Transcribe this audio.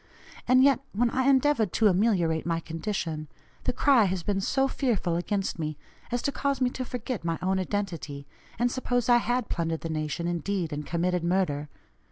And yet, when I endeavored to ameliorate my condition, the cry has been so fearful against me as to cause me to forget my own identity, and suppose I had plundered the nation, indeed, and committed murder.